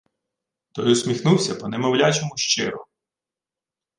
Той усміхнувся по-немовлячому щиро.